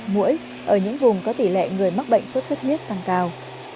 mũi ở những vùng có tỷ lệ người mắc bệnh sốt xuất huyết tăng cao